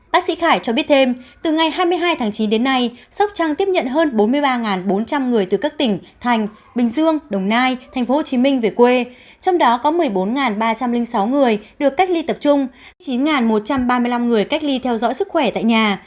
bác sĩ khải cho biết thêm từ ngày hai mươi hai tháng chín đến nay sóc trăng tiếp nhận hơn bốn mươi ba bốn trăm linh người từ các tỉnh thành bình dương đồng nai tp hcm về quê trong đó có một mươi bốn ba trăm linh sáu người được cách ly tập trung chín một trăm ba mươi năm người cách ly theo dõi sức khỏe tại nhà